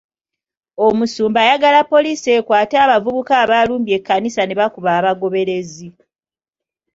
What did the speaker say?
Omusumba ayagala poliisi ekwate abavubuka abaalumbye ekkanisa ne bakuba abagoberezi.